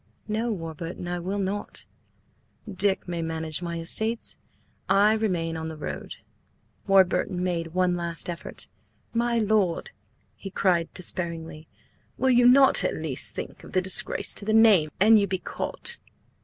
"No, Warburton, I will not; Dick may manage my estates. I remain on the road." Warburton made one last effort. "My lord!" he cried despairingly, "Will you not at least think of the disgrace to the name an you be caught?"